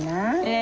え